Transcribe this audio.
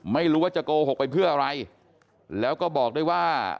ไม่รู้ว่าจะโกหกไปเพื่ออะไรแล้วก็บอกด้วยว่า